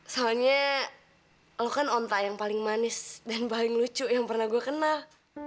soalnya lo kan onta yang paling manis dan paling lucu yang pernah gue kenal